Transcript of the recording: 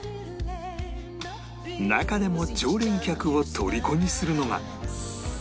中でも常連客を虜にするのが